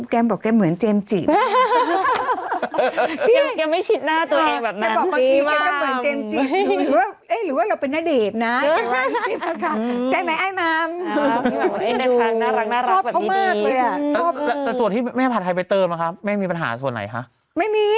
แกบอกว่าแกเหมือนเจมส์จิ๋ม